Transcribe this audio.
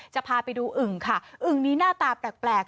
จะพาไปดูอึ่งค่ะอึ่งนี้หน้าตาแปลก